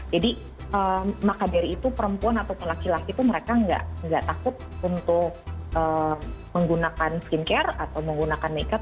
jadi maka dari itu perempuan atau laki laki tuh mereka nggak takut untuk menggunakan skin care atau menggunakan make up